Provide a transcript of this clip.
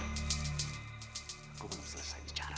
aku belum selesai bicara